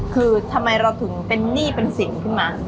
คือทำไมเราถึงเป็นหนี้เป็นสินขึ้นมา